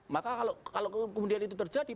maka kalau kemudian itu terjadi